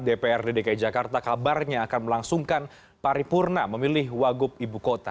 dprd dki jakarta kabarnya akan melangsungkan paripurna memilih wagub ibu kota